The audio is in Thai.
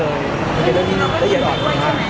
เรื่องระเย็นอ่อนเรายังมีทุกอย่างใช่มั้ย